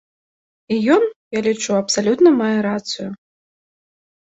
І ён, я лічу, абсалютна мае рацыю.